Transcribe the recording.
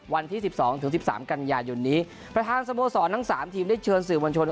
วันที่สิบสองถึงสิบสามกันยายนนี้ประธานสโมสรทั้งสามทีมได้เชิญสื่อมวลชน